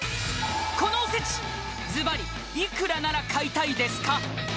このおせちズバリいくらなら買いたいですか？